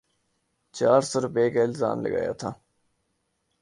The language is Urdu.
چار سو روپے کا الزام لگایا تھا۔